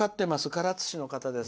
唐津市の方です。